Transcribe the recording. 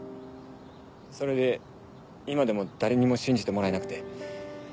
それで今でも誰にも信じてもらえなくて。